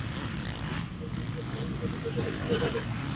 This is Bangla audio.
সে যদি প্রকৃতই ইহুদী হয়ে থাকে তাহলে তাকে সেখানেই হত্যা করবে।